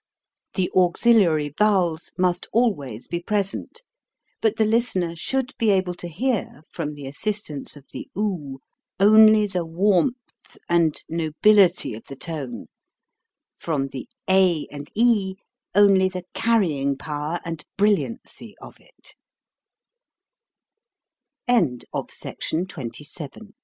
The auxiliary vowels must always be present, but the lis tener should be able to hear, from the assist ance of the oo, only the warmth and nobility of the tone, from the a and e only the carry ing power and brilliancy of i